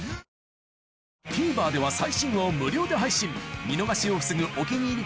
ＴＶｅｒでは最新話を無料で配信見逃しを防ぐ「お気に入り」